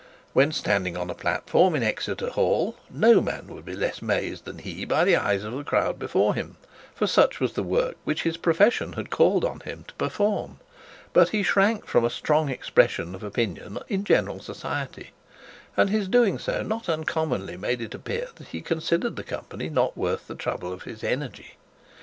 When standing on a platform in Exeter Hall, no man would be less mazed than he by the eyes of the crowd before him; for such was the work which his profession had called on him to perform; but he shrank from a strong expression of opinion in general society, and his doing so not uncommonly made it appear that he considered the company not worth the trouble of his energy.